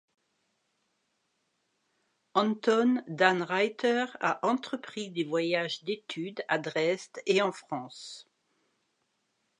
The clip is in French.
Anton Danreiter a entrepris des voyages d'études à Dresde et en France.